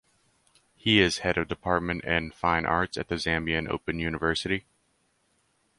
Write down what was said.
He is Head of Department in Fine Arts at the Zambian Open University.